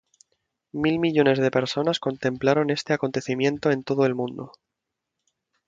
Mil millones de personas contemplaron este acontecimiento en todo el mundo.